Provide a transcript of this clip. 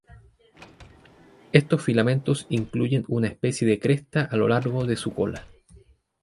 Estos filamentos incluyen una especie de cresta a lo largo de su cola.